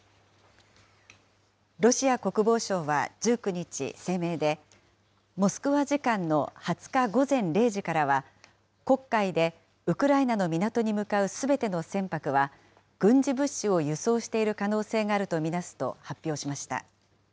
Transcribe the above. ロシア国防省は１９日、声明で、モスクワ時間の２０日午前０時からは、黒海でウクライナの港に向かうすべての船舶は、軍事物資を輸送している可能性があると見なすと発表しました。